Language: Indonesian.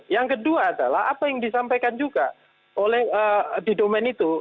yang kedua adalah apa yang disampaikan juga oleh di domain itu